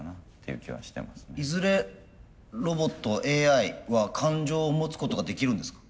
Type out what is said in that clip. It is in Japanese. いずれロボットＡＩは感情を持つことができるんですか？